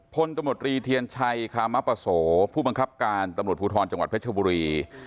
ตมตรีเทียนชัยคามปโสผู้บังคับการตำรวจภูทรจังหวัดเพชรบุรี